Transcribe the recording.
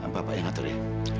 bapak yang atur ya